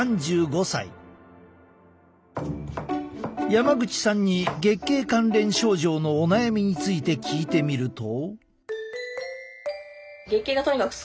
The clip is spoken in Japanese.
山口さんに月経関連症状のお悩みについて聞いてみると。